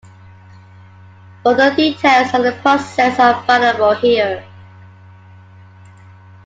Further details on the process are available here.